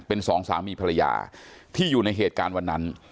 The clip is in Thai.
เป็นสองสามีภรรยาที่อยู่ในเหตุการณ์วันนั้น